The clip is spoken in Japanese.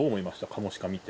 カモシカ見て。